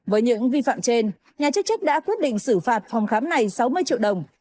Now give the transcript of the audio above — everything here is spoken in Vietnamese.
với những vi phạm trên nhà chức trách đã quyết định xử phạt phòng khám này sáu mươi triệu đồng